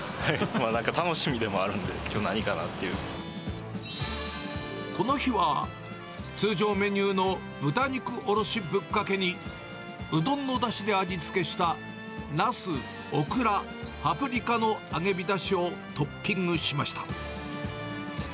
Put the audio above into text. なんか楽しみでもあるんで、この日は、通常メニューの豚肉おろしぶっかけに、うどんのだしで味付けしたナス、オクラ、パプリカの揚げびたしをトッピングしました。